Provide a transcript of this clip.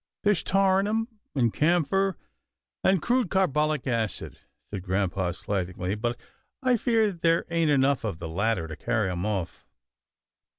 " There's tar in 'em, and camphor, and crude carbolic acid," said grampa slightingly, " but I fear there ain't enough of the latter to carry 'em off."